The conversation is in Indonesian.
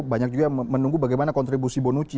banyak juga menunggu bagaimana kontribusi bonucci